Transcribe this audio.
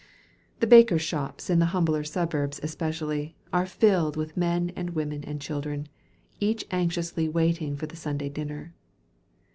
The bakers' shops in the humbler suburbs especially, are filled with men, women, and children, each anxiously waiting for the Sunday dinner.